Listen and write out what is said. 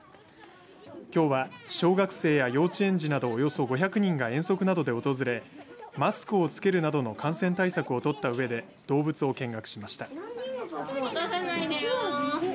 きょうは、小学生や幼稚園児などおよそ５００人が遠足などで訪れマスクを着けるなどの感染対策を取ったうえで動物を見学しました。